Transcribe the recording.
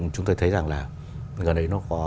chúng tôi thấy rằng là